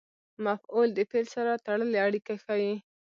مفعول د فعل سره تړلې اړیکه ښيي.